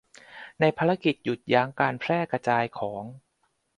ในภารกิจหยุดยั้งการแพร่กระจายของ